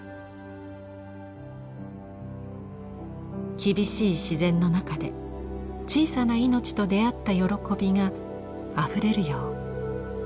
厳しい自然の中で小さな命と出会った喜びがあふれるよう。